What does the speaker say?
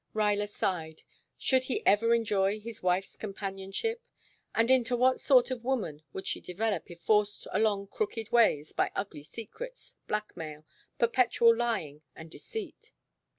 Ruyler sighed. Should he ever enjoy his wife's companionship? And into what sort of woman would she develop if forced along crooked ways by ugly secrets, blackmail, perpetual lying and deceit?